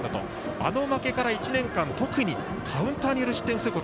あの負けから１年間、特にカウンターにより失点すること。